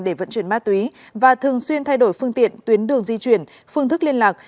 để vận chuyển ma túy và thường xuyên thay đổi phương tiện tuyến đường di chuyển phương thức liên lạc